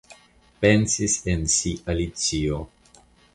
Pensis en si Alicio.